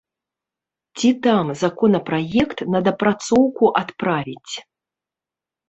Ці там, законапраект на дапрацоўку адправіць.